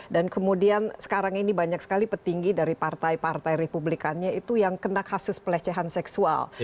dan kemudian sekarang ini banyak sekali petinggi dari partai partai republikannya itu yang kena kasus pelecehan seksual